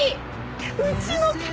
うちの鍵！